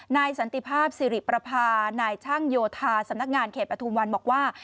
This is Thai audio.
สันติภาพสิริประพานายช่างโยธาสำนักงานเขตปฐุมวันบอกว่า